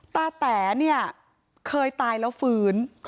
แต๋เนี่ยเคยตายแล้วฟื้น